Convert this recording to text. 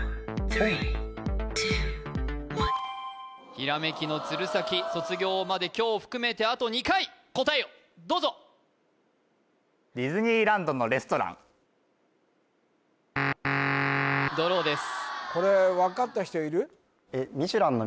ひらめきの鶴崎卒業まで今日含めてあと２回答えをどうぞドローですこれ分かった人いる？